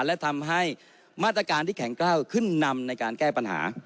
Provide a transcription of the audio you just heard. และทำให้มาตรการที่แข็งกล้าวขึ้นนำในการแก้ปัญหา